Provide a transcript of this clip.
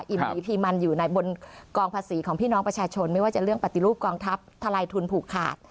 หลีพีมันอยู่ในบนกองภาษีของพี่น้องประชาชนไม่ว่าจะเรื่องปฏิรูปกองทัพทลายทุนผูกขาด